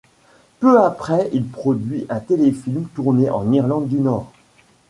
Peu après il produit un téléfilm tourné en Irlande du Nord.